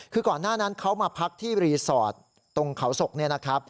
คือก่อนหน้านั้นเขามาพักที่รีสอร์ตตรงเขาศก